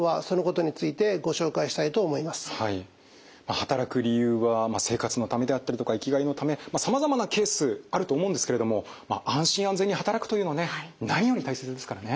働く理由は生活のためであったりとか生きがいのためさまざまなケースあると思うんですけれども安心安全に働くというのはね何より大切ですからね。